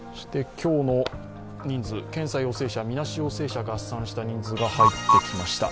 今日の人数、検査陽性者、みなし陽性者を合算した人数が入ってきました。